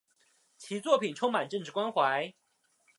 其作品充满政治关怀。